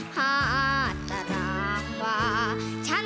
หาตารางว่า